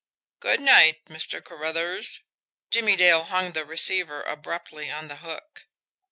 Good night, Mr. Carruthers." Jimmie Dale hung the receiver abruptly on the hook.